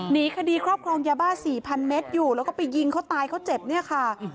หนีคดีครอบครองยาบ้า๔๐๐เมตรอยู่แล้วก็ไปยิงเขาตายเขาเจ็บเนี่ยค่ะ